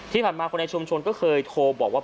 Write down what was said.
ที่ผ่านมาคนในชุมชนก็เคยโทรบอกว่า